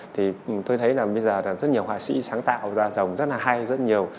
thì tôi thấy là bây giờ là rất nhiều họa sĩ sáng tạo ra rồng rất là hay rất nhiều